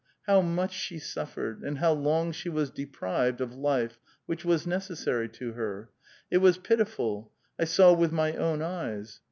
How much she suffered, and how long she was deprived of life which was necessary to her! It was pitiful; I saw with my own eyes.